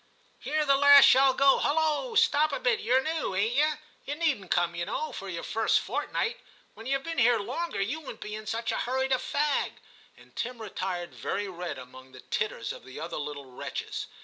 * Here the last shall go. Hulloa, stop a bit; you're new, ain't you? You needn't come, V TIM 95 you know, for your first fortnight ; when you've been here longer you won't be in such a hurry to fag/ and Tim retired very red, among the titters of the other little wretches.